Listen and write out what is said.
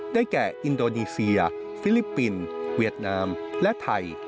แก่อินโดนีเซียฟิลิปปินส์เวียดนามและไทย